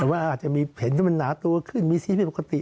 แต่ว่าอาจจะมีเห็นมันหนาตัวขึ้นมีสีไม่ปกติ